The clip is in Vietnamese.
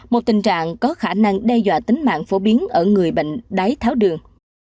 một tình trạng có khả năng đe dọa tính mạng phổ biến ở người bệnh đái tháo đường